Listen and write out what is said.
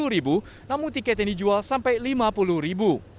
yang berjumlah rp sepuluh namun tiket yang dijual sampai rp lima puluh